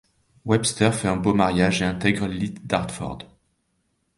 Webster fait un beau mariage et intègre l’élite d’Hartford.